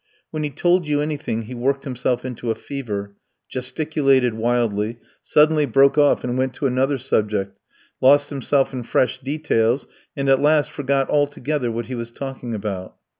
When he told you anything he worked himself into a fever, gesticulated wildly, suddenly broke off and went to another subject, lost himself in fresh details, and at last forgot altogether what he was talking about.